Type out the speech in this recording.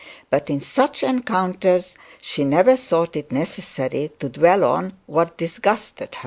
But in such encounters she never thought it necessary to dwell on what disgusted her.